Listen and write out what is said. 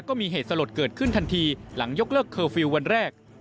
ก็มีเหตุสลดเกิดขึ้นทันทีหลังยกเลิกเคอร์ฟิลล์วันแรก